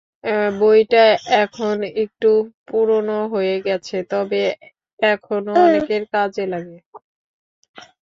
বইটা এখন একটু পুরোনো হয়ে গেছে, তবে এখনো অনেকের কাজে লাগে।